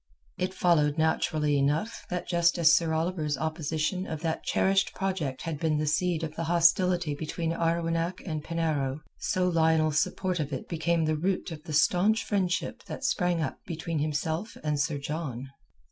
It followed naturally enough that just as Sir Oliver's opposition of that cherished project had been the seed of the hostility between Arwenack and Penarrow, so Lionel's support of it became the root of the staunch friendship that sprang up between himself and Sir John.